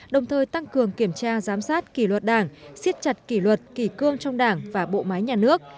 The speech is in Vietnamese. đồng thời tăng cường kiểm tra giám sát kỳ luật đảng siết chặt kỳ luật kỳ cương trong đảng và bộ máy nhà nước